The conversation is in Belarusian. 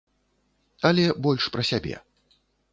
Але больш пра сябе.